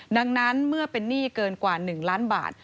ดังนั้นเมื่อเป็นหนี้เกินกว่า๑ล้านบาท